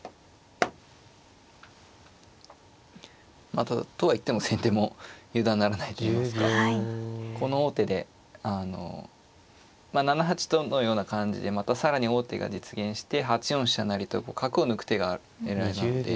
まあただとはいっても先手も油断ならないといいますかこの王手であの７八とのような感じでまた更に王手が実現して８四飛車成と角を抜く手が狙いなので。